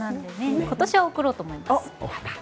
今年は贈ろうと思います。